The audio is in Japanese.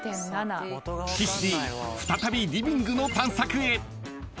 ［岸Ｄ再びリビングの探索へ］